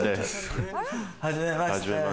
はじめまして。